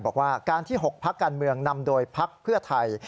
บอกว่าการที่๖พักการเมืองนำโดยพักเพื่อไทย